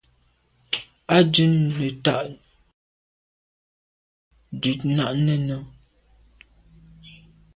À dun neta dut nà nène.